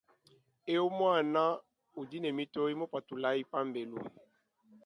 Ewu muana udi ne mitoyi mupatulayi pambelu.